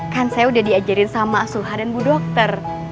kan saya udah diajarin sama asuha dan bu dokter